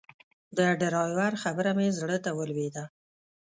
د ډرایور خبره مې زړه ته ولوېده.